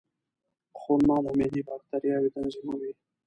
خرما د معدې باکتریاوې تنظیموي.